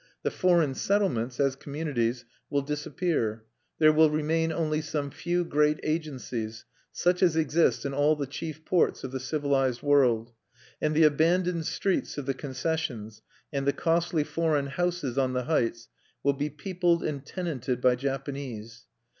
The foreign settlements, as communities, will disappear: there will remain only some few great agencies, such as exist in all the chief ports of the civilized world; and the abandoned streets of the concessions, and the costly foreign houses on the heights, will be peopled and tenanted by Japanese.